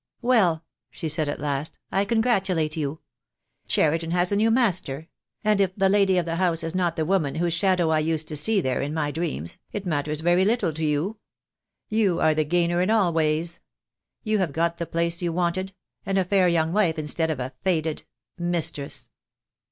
"Well," she said at last, "I congratulate you. Cheriton has a new master; and if the lady of the house is not the woman whose shadow I used to see there in my dreams — it matters very little to you. You are the gainer in all ways. You have got the place you wanted; and a fair young wife instead of a faded — mistress."